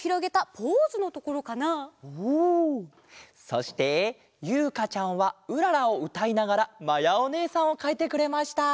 そしてゆうかちゃんは「うらら」をうたいながらまやおねえさんをかいてくれました。